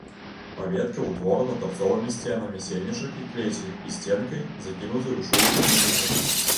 Паветка ўтворана тарцовымі сценамі сенечак і клеці і сценкай, закінутай у шулы паміж імі.